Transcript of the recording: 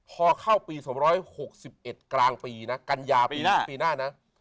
ต่อเข้าปีสองร้อยหกสิบเอ็ดกลางปีนะกัญญาปีปีหน้า